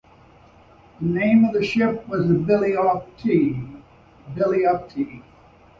The name of the ship was The Billy Of Tea.